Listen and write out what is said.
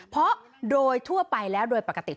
เพราะโดยทั่วไปแล้วโดยปกติ